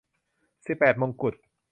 สิบแปดมงกุฎ